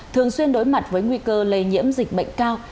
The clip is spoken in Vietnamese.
thường xuyên đối mặt với nguy cơ lây nhiễm dịch bệnh cao